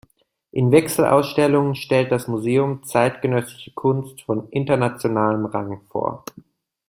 In Wechselausstellungen stellt das Museum zeitgenössische Kunst von internationalem Rang vor.